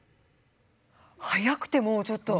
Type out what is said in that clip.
速くてもうちょっと。